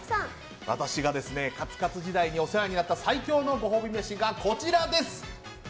私がカツカツ時代にお世話になった最強のご褒美飯が、こちら。